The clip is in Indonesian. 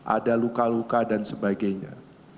ada luka luka dan sebagainya